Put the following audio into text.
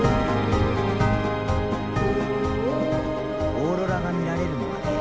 オーロラが見られるのはね